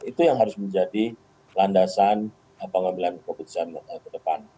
itu yang harus menjadi landasan pengambilan keputusan ke depan